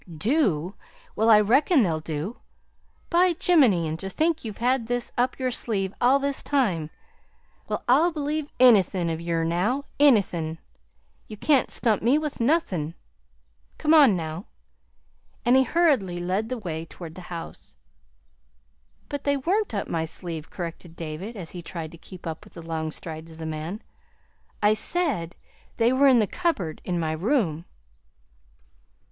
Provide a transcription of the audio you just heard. "Do! Well, I reckon they'll do. By Jiminy! and ter think you've had this up yer sleeve all this time! Well, I'll believe anythin' of yer now anythin'! You can't stump me with nuthin'! Come on." And he hurriedly led the way toward the house. "But they weren't up my sleeve," corrected David, as he tried to keep up with the long strides of the man. "I SAID they were in the cupboard in my room."